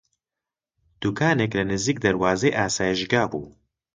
دووکانێک لە نزیک دەروازەی ئاسایشگا بوو